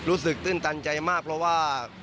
รู้สึกตื่นตันใจมากเพราะว่า